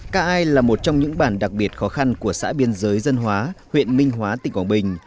ca ai là một trong những bản đặc biệt khó khăn của xã biên giới dân hóa huyện minh hóa tỉnh quảng bình